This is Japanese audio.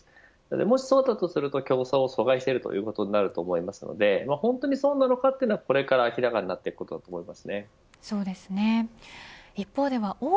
もしそうだとすると競争を阻害しているということになると思うので本当にそうなのかどうかはこれから明らかになっていくと思います。